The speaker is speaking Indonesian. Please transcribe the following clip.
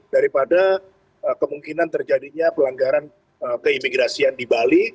daripada kemungkinan terjadinya pelanggaran keimigrasian di bali